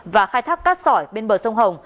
và khai thác cát sỏi bên bờ sông hồng